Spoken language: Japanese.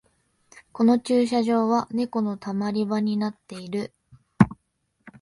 この駐車場はネコのたまり場になってる